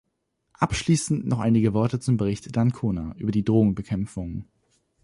Abschließend noch einige Worte zum Bericht d'Ancona über die Drogenbekämpfung.